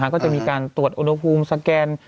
ก็จะมีการตรวจอุณหภูมิสแกน